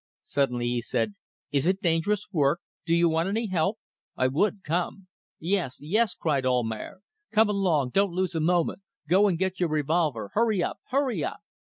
Suddenly he said "Is it dangerous work? Do you want any help? I would come ..." "Yes, yes!" cried Almayer. "Come along. Don't lose a moment. Go and get your revolver. Hurry up! hurry up!"